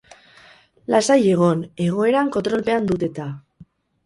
Lasai egon, egoeran kontrolpean dut eta!